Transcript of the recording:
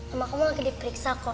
amakah mau lagi di periksa kok